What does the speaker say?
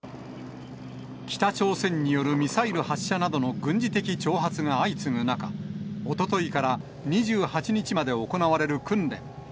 北朝鮮によるミサイル発射などの軍事的挑発が相次ぐ中、おとといから２８日まで行われる訓練。